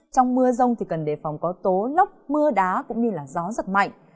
trong mưa rông thì cần đề phòng có tố nóc mưa đá cũng như là gió rất mạnh